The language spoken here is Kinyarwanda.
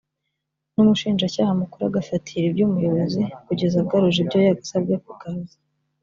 n’umushinjacyaha mukuru agafatira iby’umuyobozi kugeza agaruje ibyo yasabwe kugaruza